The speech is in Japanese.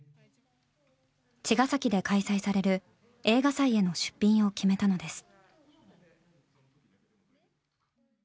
茅ヶ崎で開催される映画祭への出品を決めたのです。